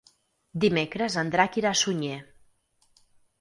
Dimecres en Drac irà a Sunyer.